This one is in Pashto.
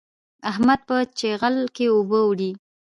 احمد په چيغل کې اوبه وړي.